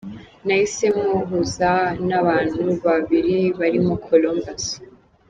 Nahise mpuhuza n’abantu babiri barimo Columbus